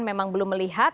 memang belum melihat